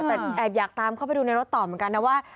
แต่แอบอยากตามเข้าไปดูในรถต่อเหมือนกันนะว่า